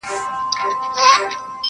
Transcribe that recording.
انتظار به مو د بل بهار کولای -